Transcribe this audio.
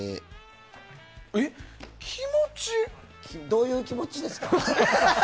どういう気持ちですか？